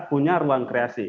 punya ruang kreasi